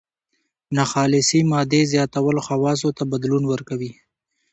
ناخالصې مادې زیاتول خواصو ته بدلون ورکوي.